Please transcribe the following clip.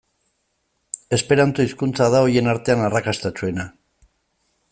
Esperanto hizkuntza da horien artean arrakastatsuena.